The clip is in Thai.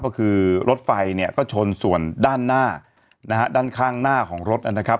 ก็คือรถไฟเนี่ยก็ชนส่วนด้านหน้านะฮะด้านข้างหน้าของรถนะครับ